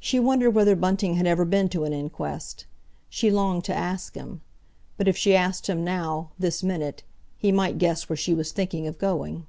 She wondered whether Bunting had ever been to an inquest. She longed to ask him. But if she asked him now, this minute, he might guess where she was thinking of going.